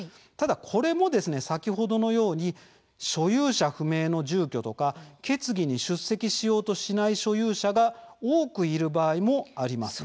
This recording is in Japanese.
こちらも先ほどのように所有者不明の住居、それから決議に参加しようとしない所有者が多くいる場合もあります。